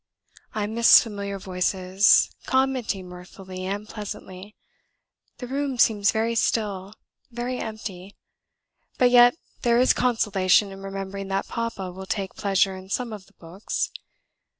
"I miss familiar voices, commenting mirthfully and pleasantly; the room seems very still very empty; but yet there is consolation in remembering that Papa will take pleasure in some of the books.